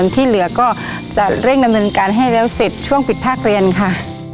ที่เหลือก็จะเร่งดำเนินการให้แล้วเสร็จช่วงปิดภาคเรียนค่ะ